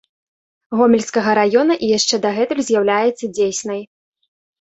Гомельскага раёна і яшчэ дагэтуль з'яўляецца дзейснай.